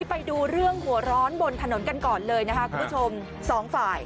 ไปดูเรื่องหัวร้อนบนถนนกันก่อนเลยนะคะคุณผู้ชมสองฝ่าย